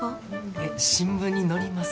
えっ新聞に載ります？